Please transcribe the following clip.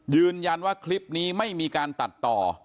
ยืนยันว่าคลิปนี้ไม่มีการตัดต่อ